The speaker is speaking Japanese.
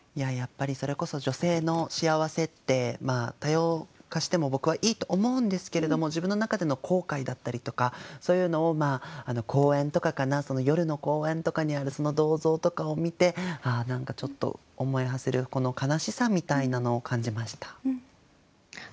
それこそ女性の幸せって多様化しても僕はいいと思うんですけれども自分の中での後悔だったりとかそういうのを公園とかかな夜の公園とかにあるその銅像とかを見て何かちょっと思い馳せる悲しさみたいなのを感じました。